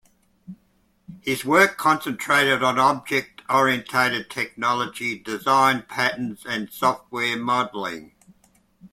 His work concentrated on object oriented technology, design patterns and software modeling.